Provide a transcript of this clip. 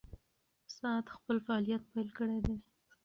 ساعت خپل فعالیت پیل کړی دی.